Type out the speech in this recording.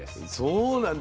そうなんだ。